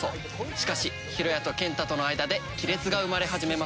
しかし浩哉と健太との間で亀裂が生まれ始めます。